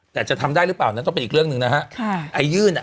แต่จะทำได้หรือเปล่านั้นก็เป็นอีกเรื่องหนึ่งนะฮะค่ะไอ้ยื่นอ่ะ